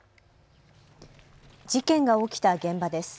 事件が起きた現場です。